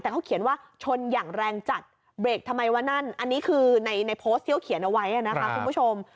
แต่เขาเขียนว่าชนอย่างแรงจัดเบรกทำไมวะนั่นอันนี้คือในโพสต์ที่เขาเขียนเอาไว้นะคะคุณผู้ชม